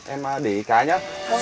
em để cái nhá